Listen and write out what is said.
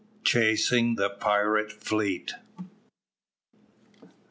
CHASING THE PIRATE FLEET.